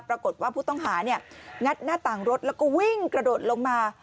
ปรากฏว่าผู้ต้องหางัดหน้าต่างรถแล้วก็วิ่งกระโดดลงมา